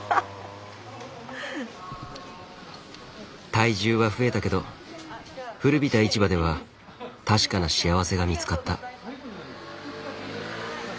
体重は増えたけど古びた市場では確かな幸せが見つかった。